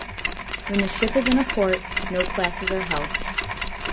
When the ship is in a port, no classes are held.